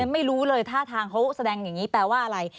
ไม่รู้เลยท่าทางเขาแสดงอย่างนี้แปลว่าอะไร